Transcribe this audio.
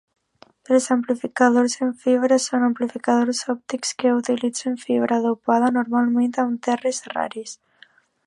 Els amplificadors en fibra són amplificadors òptics que utilitzen fibra dopada, normalment amb terres rares.